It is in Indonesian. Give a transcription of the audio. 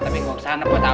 tapi gak usah aneh buat apa